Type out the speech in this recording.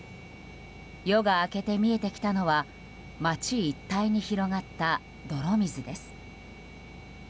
夜が明けて見えてきたのは街一帯に広がった泥水です。